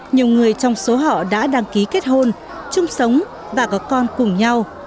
nhiều người trong số họ đã đăng ký kết hôn chung sống và có con cùng nhau